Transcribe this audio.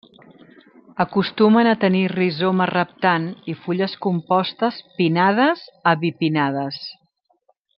Acostumen a tenir rizoma reptant i fulles compostes pinnades a bipinnades.